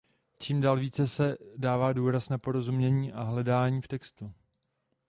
Čím dál tím více se dává důraz na porozumění a hledání v textu.